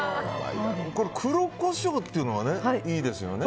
黒コショウっていうのがいいですよね。